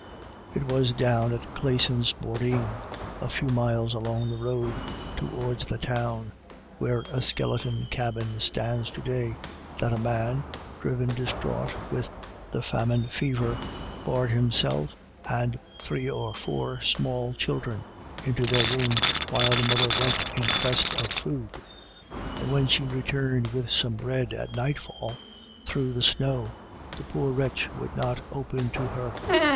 It was down at Classon's Boreen, a few miles along the road towards the Town, where a skeleton cabin stands to day, that a man, driven distraught with the famine fever, barred himself and three or four small children into their room, while the mother went in quest of food. And when she returned with some bread at nightfall, through the snow, the poor wretch would not open to her.